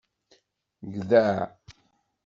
Gdeɛ.